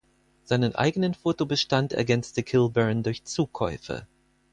Seinen eigenen Photobestand ergänzte Kilburn durch Zukäufe.